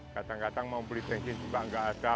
kadang kadang mau beli bensin juga gak ada berapa orang